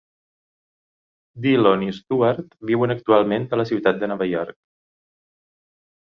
Dillon i Stuart viuen actualment a la ciutat de Nova York.